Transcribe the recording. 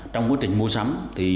trong quá trình mua sắm